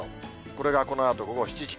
これがこのあと午後７時。